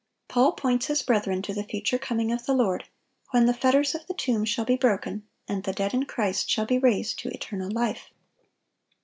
Paul points his brethren to the future coming of the Lord, when the fetters of the tomb shall be broken, and the "dead in Christ" shall be raised to eternal life.